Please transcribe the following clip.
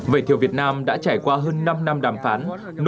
vải thiều việt nam đã trải qua hơn năm năm đàm phán